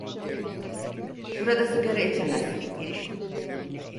Burada sigara içemezsin.